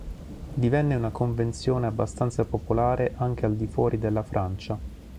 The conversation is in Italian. Divenne una convenzione abbastanza popolare anche al di fuori della Francia.